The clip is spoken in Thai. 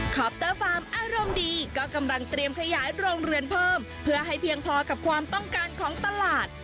ปเตอร์ฟาร์มอารมณ์ดีก็กำลังเตรียมขยายโรงเรือนเพิ่มเพื่อให้เพียงพอกับความต้องการของตลาด